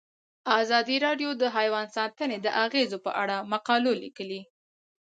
ازادي راډیو د حیوان ساتنه د اغیزو په اړه مقالو لیکلي.